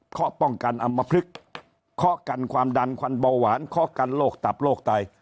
เขาป้องกันอำมพลึกเคาะกันความดันควันเบาหวานเคาะกันโรคตับโรคไต